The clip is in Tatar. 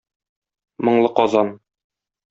Моңлы Казан!